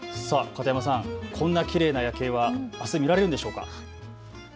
片山さん、こんなきれいな夜景はあす見られるのでしょうか。